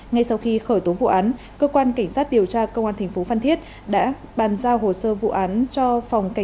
ngay sau khi khởi tố vụ án cơ quan cảnh sát điều tra công an tp phan thiết đã bàn giao hồ sơ vụ án cho phòng cảnh sát hình sự công an tp bình thuận thụ lý điều tra theo thẩm quyền